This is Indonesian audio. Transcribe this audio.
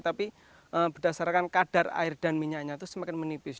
tapi berdasarkan kadar air dan minyaknya itu semakin menipis